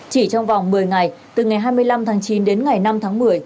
chỉ trong vòng một mươi ngày từ ngày hai mươi năm tháng chín đến ngày năm tháng một mươi